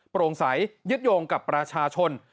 โปร่งใสยึดโยงกับประชาชน